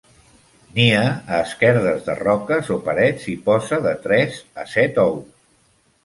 Nia a esquerdes de roques o parets i posa de tres a set ous.